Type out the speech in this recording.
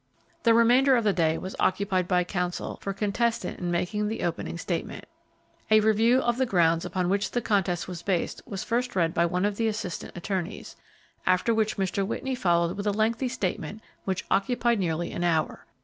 The remainder of the day was occupied by counsel for contestant in making the opening statement. A review of the grounds upon which the contest was based was first read by one of the assistant attorneys, after which Mr. Whitney followed with a lengthy statement which occupied nearly an hour.